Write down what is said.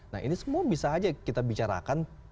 nah ini semua bisa aja kita bicarakan